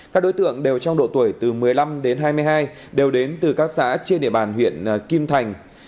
các đối tượng đều trong độ tuổi từ một mươi năm đến hai mươi hai đều đến từ các xã trên địa bàn huyện kim thành